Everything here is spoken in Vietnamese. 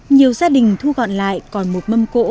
nhiều gia đình thu gọn lại còn một mâm cỗ